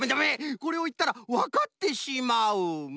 これをいったらわかってシマウマ！